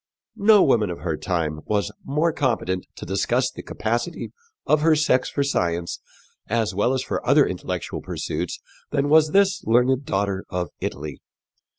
No woman of her time was more competent to discuss the capacity of her sex for science as well as for other intellectual pursuits than was this learned daughter of Italy.